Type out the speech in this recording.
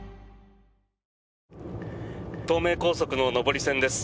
東名高速の上り線です。